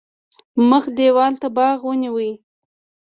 مخ دېوال ته باغ ونیو.